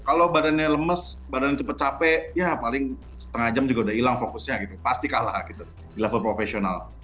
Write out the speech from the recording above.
kalau badannya lemes badan cepat capek ya paling setengah jam juga udah hilang fokusnya gitu pasti kalah gitu di level profesional